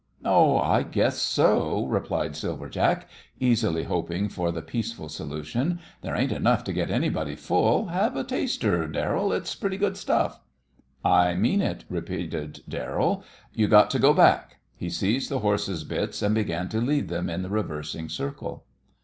"Oh, I guess so," replied Silver Jack, easily, hoping for the peaceful solution. "There ain't enough to get anybody full. Have a taster, Darrell; it's pretty good stuff." "I mean it," repeated Darrell. "You got to go back." He seized the horses' bits and began to lead them in the reversing circle.